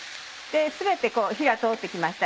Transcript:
全て火が通って来ました